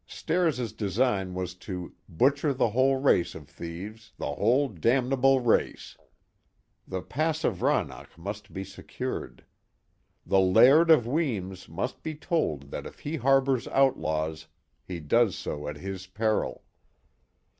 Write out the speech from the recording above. Stair's design was to " butcher the whole race of thieves, the whole damn able race." The pass of Rannach must be secured. The Laird of Weems must be told that it he harbors outlaws, he does so at his peril.